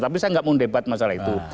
tapi saya tidak mau debat masalah itu